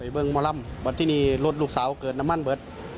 เบิ้งมาร่ำมาที่นี่รถลูกสาวเกิดน้ำมันเบิด